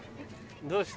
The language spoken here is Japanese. どうした？